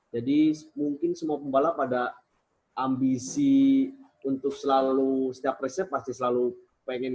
jadi mungkin semua pembalap ada ambisi untuk selalu setiap resep pasti selalu pengen yang terbaik